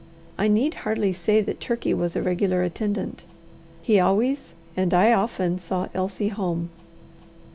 I need hardly say that Turkey was a regular attendant. He always, and I often, saw Elsie home.